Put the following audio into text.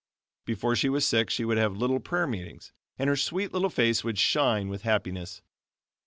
Before she was sick she would have little prayer meetings, and her sweet little face would shine with happiness.